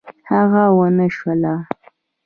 هغه ونشوله.